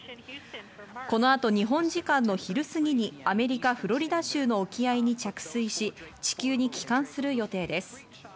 この後日本時間の昼過ぎにアメリカ・フロリダ州の沖合に着水し、地球に帰還する予定です。